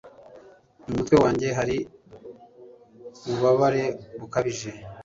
Mu mutwe wanjye hari ububabare bukabije.